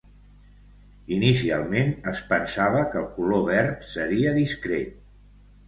Inicialment, es pensava que el color verd seria discret.